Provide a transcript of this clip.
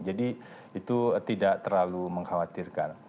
jadi itu tidak terlalu mengkhawatirkan